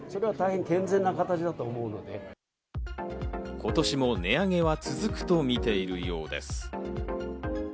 今年も値上げは続くと見ているようです。